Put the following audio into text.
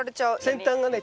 先端がね